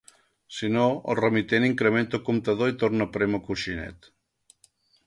Si no, el remitent incrementa el comptador i torna a prémer el coixinet.